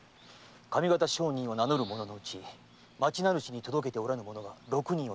上方商人を名のる者のうち町名主に届けておらぬ者が六人。